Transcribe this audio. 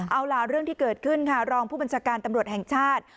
เอาล่ะเรื่องที่เกิดขึ้นค่ะรองผู้บัญชาการตำรวจแห่งชาติ